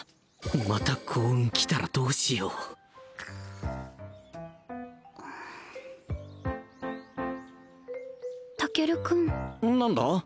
また幸運きたらどうしようタケル君うん？何だ？